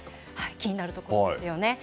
気になるところですよね。